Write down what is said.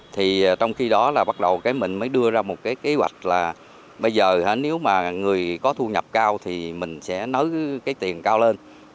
thì trong khi đó là bắt đầu cái mình mới đưa ra một cái kế hoạch là bây giờ nếu mà người có thu nhập cao thì mình sẽ nới cái tiền cao lên